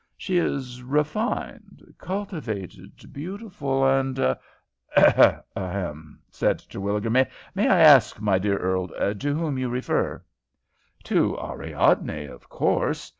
She is refined, cultivated, beautiful, and " "Ahem!" said Terwilliger. "May I ask, my dear Earl, to whom you refer?" "To Ariadne, of course.